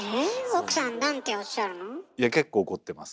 奥さんなんておっしゃるの？